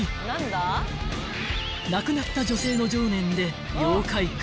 ［亡くなった女性の情念で妖怪化］